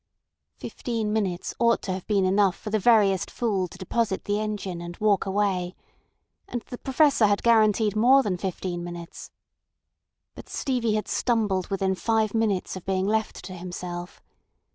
Fifteen minutes ought to have been enough for the veriest fool to deposit the engine and walk away. And the Professor had guaranteed more than fifteen minutes. But Stevie had stumbled within five minutes of being left to himself.